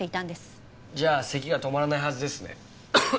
じゃあ咳が止まらないはずですね。